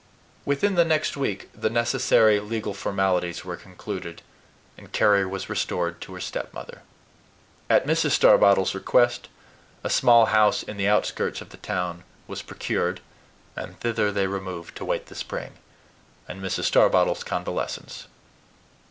Within the next week the necessary legal formalities were concluded, and Carry was restored to her stepmother. At Mrs. Starbottle's request, a small house in the outskirts of the town was procured; and thither they removed to wait the spring, and Mrs. Starbottle's convalescence.